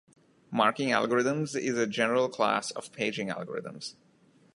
Marking algorithms is a general class of paging algorithms.